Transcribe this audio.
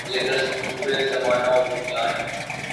یہ دستور زمانہ و دنیاہے۔